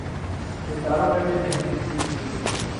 ستاروں میں بھی نہیں لکھی گئی تھی۔